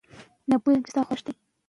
نظم ماشوم ته د ژوند مهارتونه ښيي.